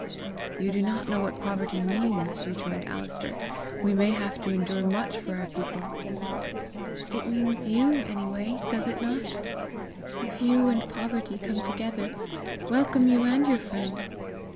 "You do not know what poverty means!" rejoined Alister. "We may have to endure much for our people!" "It means YOU any way, does it not? If you and poverty come together, welcome you and your friend!